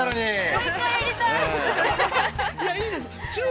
◆もう１回やりたい。